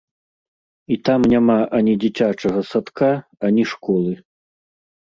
І там няма ані дзіцячага садка, ані школы.